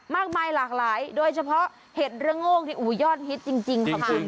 มากมายหลากหลายโดยเฉพาะเห็ดระโงกที่ยอดฮิตจริงค่ะคุณ